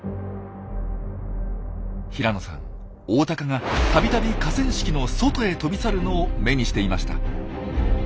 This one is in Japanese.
平野さんオオタカが度々河川敷の外へ飛び去るのを目にしていました。